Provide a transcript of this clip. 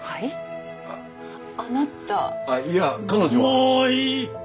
もういい！